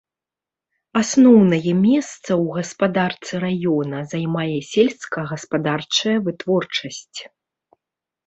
Асноўнае месца ў гаспадарцы раёна займае сельскагаспадарчая вытворчасць.